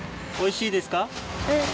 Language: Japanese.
おいしいですか？